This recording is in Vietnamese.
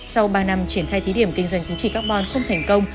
sau ba năm triển khai thí điểm kinh doanh tính trị carbon không thành công